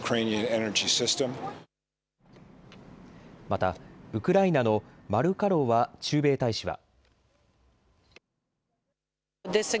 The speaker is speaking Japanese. またウクライナのマルカロワ駐米大使は。